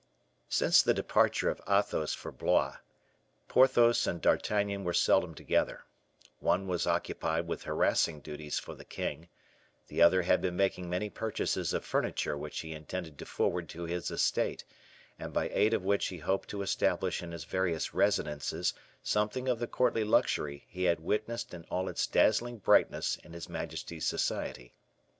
Since the departure of Athos for Blois, Porthos and D'Artagnan were seldom together. One was occupied with harassing duties for the king, the other had been making many purchases of furniture which he intended to forward to his estate, and by aid of which he hoped to establish in his various residences something of the courtly luxury he had witnessed in all its dazzling brightness in his majesty's society.